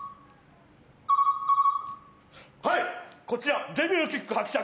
はい、こちらデビルキック伯爵。